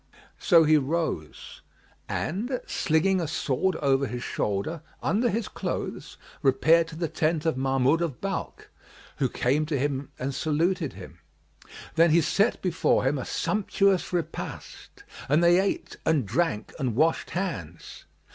So he rose and, slinging a sword over his shoulder, under his clothes, repaired to the tent of Mahmud of Balkh, who came to meet him and saluted him. Then he set before him a sumptuous repast and they ate and drank and washed hands.